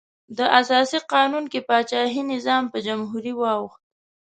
د اساسي قانون کې پاچاهي نظام په جمهوري واوښت.